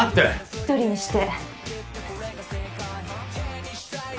１人にして。